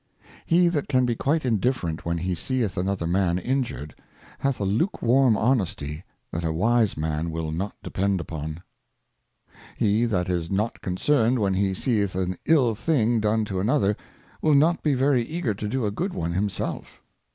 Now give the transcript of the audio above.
HE that can be quite indifferent when he seeth another Man injured, hath a lukewarm Honesty that a wise Man will not depend upon. He that is not concerned when he seeth an ill thing done to another, will not be very eager to do a good one himself. Hypocrisy.